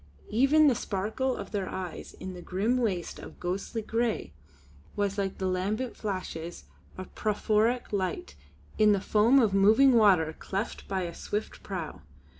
Even the sparkle of their eyes in that grim waste of ghostly grey was like the lambent flashes of phosphoric light in the foam of moving water cleft by a swift prow.